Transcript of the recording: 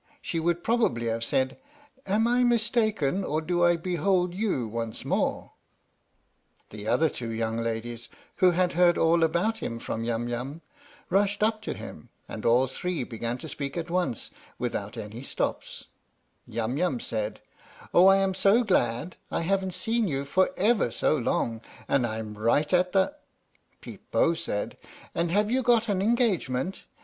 she would probably have said : "Am I mistaken, or do I behold you once more ?" The other two young ladies (who had heard all about him from Yum Yum) rushed up to him and all three began to speak at once, without any stops : Yum Yum said: Oh I am so glad I haven't seen you for ever so long and I'm right at the And have you got an engagement?